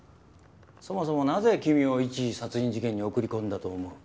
そもそもなぜ君を一殺人事件に送り込んだと思う？